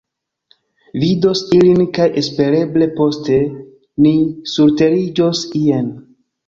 Vidos illin kaj espereble poste ni surteriĝos ien.